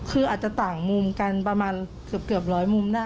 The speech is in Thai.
คืออาจจะต่างมุมกันประมาณเกือบร้อยมุมได้